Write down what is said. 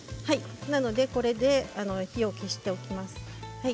これで火を消しておきます。